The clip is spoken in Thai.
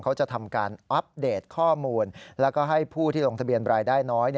เขาจะทำการอัปเดตข้อมูลแล้วก็ให้ผู้ที่ลงทะเบียนรายได้น้อย